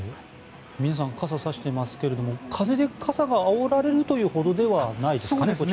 皆さん傘をさしてますけど風で傘があおられるというほどではないですかね。